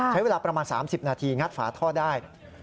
ใช้เวลาประมาณ๓๐นาทีงัดฝาท่อได้